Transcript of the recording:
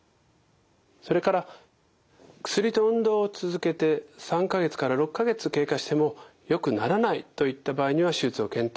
それから薬と運動を続けて３か月から６か月経過してもよくならないといった場合には手術を検討します。